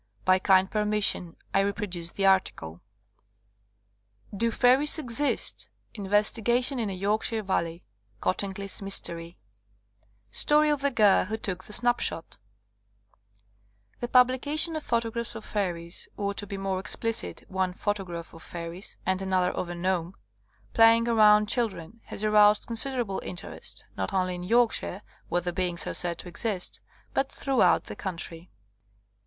By kind permission I reproduce the article ; do faieies exist? investigation in a yorkshire valley cottingley's mystery story of the girl who took the snapshot The publication of photographs of fairies — or, to be more explicit, one photograph of fairies and another of a gnome — playing round children has aroused considerable in terest, not only in Yorkshire, where the beings are said to exist, but throughout the country.